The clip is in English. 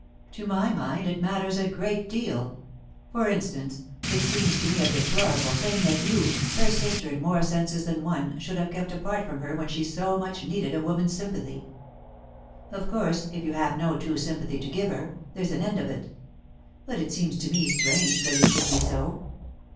To my mind it matters a great deal. For instance, it seems to me a deplorable thing that you, her sister in more senses than one, should have kept apart from her when she so much needed a woman's sympathy. Of course, if you had no true sympathy to give her, there's an end of it. But it seems to me strange that it should be so.